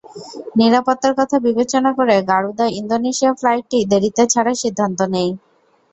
নিরাপত্তার কথা বিবেচনা করে গারুদা ইন্দোনেশিয়া ফ্লাইটটি দেরিতে ছাড়ার সিদ্ধান্ত নেয়।